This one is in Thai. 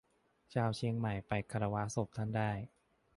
ชาวเชียงใหม่ไปคารวะศพท่านได้